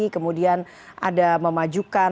kemudian ada memajukan